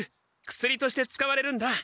薬として使われるんだ。